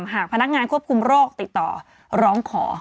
หากพนักงานควบคุมโรคติดต่อร้องขอ